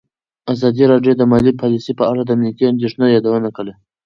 ازادي راډیو د مالي پالیسي په اړه د امنیتي اندېښنو یادونه کړې.